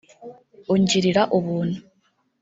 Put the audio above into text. ‘Ungirira ubuntu’